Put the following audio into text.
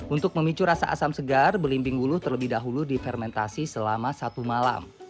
untuk memicu rasa asam segar belimbing ulu terlebih dahulu difermentasi selama satu malam